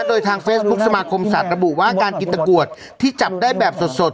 โดยทางเฟซบุ๊คสมาคมสัตว์ระบุว่าการกินตะกรวดที่จับได้แบบสด